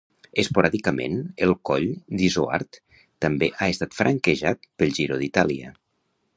Esporàdicament el coll d'Izoard també ha estat franquejat pel Giro d'Itàlia.